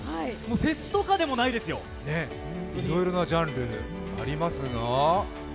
フェスとかでもないですよ、本当にいろいろなジャンルがありますが。